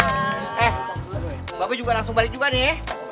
eh bapak juga langsung balik juga nih